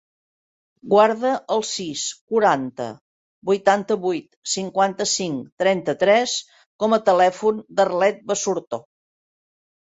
Guarda el sis, quaranta, vuitanta-vuit, cinquanta-cinc, trenta-tres com a telèfon de l'Arlet Basurto.